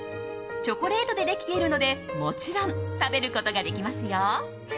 チョコレートでできているのでもちろん食べることができますよ。